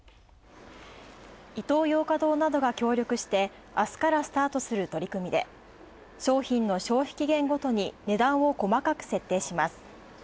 イトーヨーカ堂などが協力して、明日からスタートする取り組みで、商品の消費期限ごとに値段を細かく設定します。